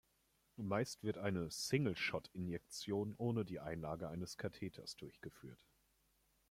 Meist wird eine "single-shot"-Injektion ohne die Einlage eines Katheters durchgeführt.